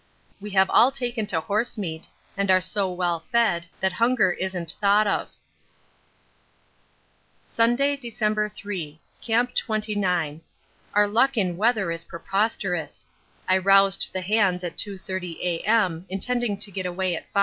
We have all taken to horse meat and are so well fed that hunger isn't thought of. Sunday, December 3. Camp 29. Our luck in weather is preposterous. I roused the hands at 2.30 A.M., intending to get away at 5.